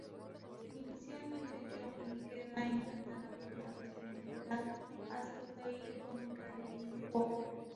Inicialmente, Yoo Mi queda encantada por la personalidad astuta y cómica de Jin Wook.